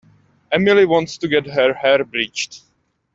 Emily wants to get her hair bleached.